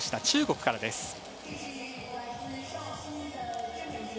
中国からです。